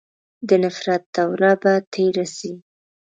د نفرت دوره به تېره سي.